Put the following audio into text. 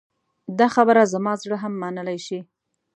دا خبره زما زړه هم منلی شي.